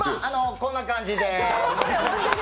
こんな感じで。